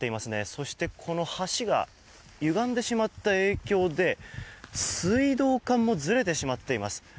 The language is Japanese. そして、この橋がゆがんでしまった影響で水道管もずれてしまっています。